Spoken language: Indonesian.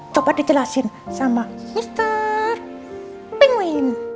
coba dijelasin sama mr pinguin